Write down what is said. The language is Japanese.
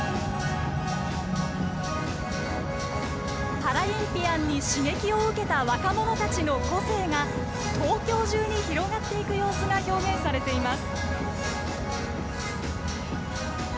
パラリンピアンに刺激を受けた若者たちの個性が東京中に広がっていく様子が表現されています。